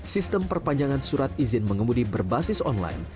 sistem perpanjangan surat izin mengemudi berbasis online